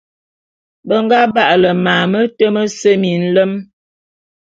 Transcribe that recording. Be nga ba'ale mam mete mese minlem.